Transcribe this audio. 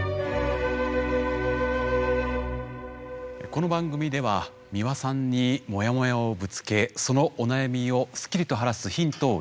この番組では美輪さんにモヤモヤをぶつけそのお悩みをすっきりと晴らすヒントを頂きます。